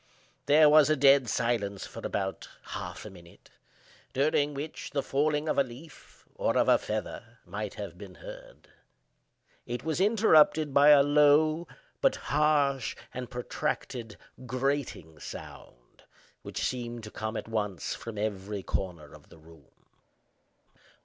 There was a dead silence for about half a minute, during which the falling of a leaf, or of a feather, might have been heard. It was interrupted by a low, but harsh and protracted grating sound which seemed to come at once from every corner of the room.